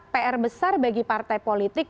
pr besar bagi partai politik